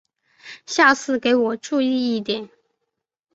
下次给我注意一点！